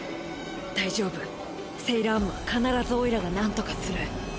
大丈夫セイラームは必ずオイラがなんとかする。